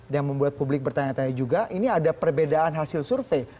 yang membuat publik bertanya tanya juga ini ada perbedaan hasil survei